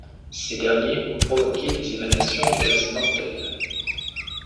Ces derniers ont provoqué des émanations de gaz mortels.